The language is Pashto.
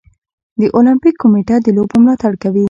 د المپیک کمیټه د لوبو ملاتړ کوي.